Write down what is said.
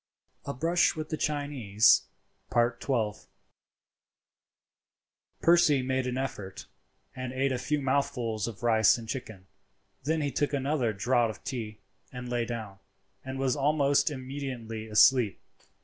A BRUSH WITH THE CHINESE.—XII. Percy made an effort, and ate a few mouthfuls of rice and chicken, then he took another draught of tea, and lay down, and was almost immediately asleep.